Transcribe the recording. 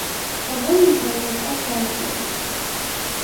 А вольны чалавек адказвае.